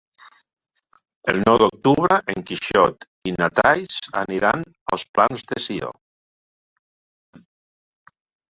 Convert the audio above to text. El nou d'octubre en Quixot i na Thaís aniran als Plans de Sió.